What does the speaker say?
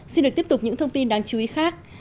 xin được tiếp tục những thông tin đáng chú ý khác